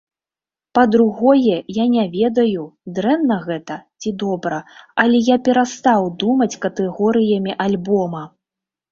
Па-другое, я не ведаю, дрэнна гэта ці добра, але я перастаў думаць катэгорыямі альбома.